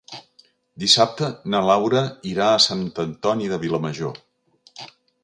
Dissabte na Laura irà a Sant Antoni de Vilamajor.